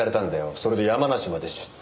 それで山梨まで出張。